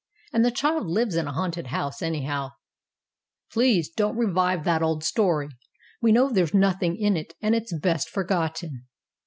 And the child lives in a haunted house, anyhow." ."Please don't revive that old story; we know that there's nothing in it, and it's best forgotten."